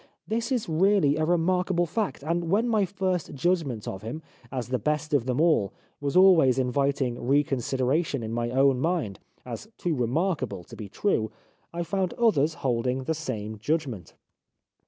This is really a remarkable fact, and when my first judgment of him, as the best of them all, was always inviting reconsideration in my own mind, as too remarkable to be true, I found others holding the same judgment.